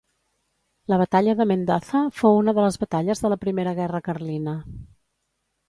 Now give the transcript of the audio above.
La batalla de Mendaza fou una de les batalles de la primera guerra carlina.